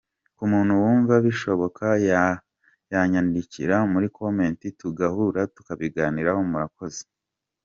Ku muntu wumva bishoboka yanyandikira muri comment tugahura tukabiganiraho murakoze.